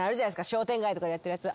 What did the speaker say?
商店街とかでやってるやつ